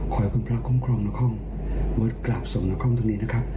ขอให้คุณพระข้มนักคอมเบิร์ดกราบส่งนักคอมตรงนี้นะครับ